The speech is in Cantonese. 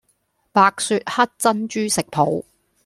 白雪黑珍珠食譜